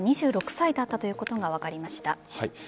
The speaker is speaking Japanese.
２６歳だったということが分かりました。